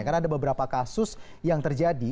karena ada beberapa kasus yang terjadi